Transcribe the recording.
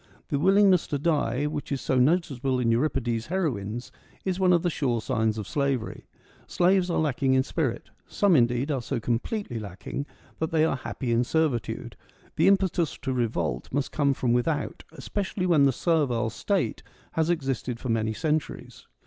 The willingness to die, which is so noticeable in Euripides' heroines, is one of the sure signs of slavery. Slaves are lacking in spirit ; some, indeed, are so completely lacking that they are happy in servitude : the impetus to revolt must come from without, especially when the servile state has existed for many centuries.